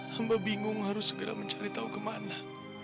hamba bingung harus segera mencari tahu kemana